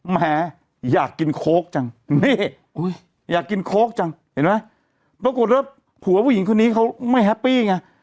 แหมอยากกินโค้กจังนี่อยากกินโค้กจังเห็นไหมปรากฏว่าผัวผู้หญิงคนนี้เขาไม่แฮปปี้ไง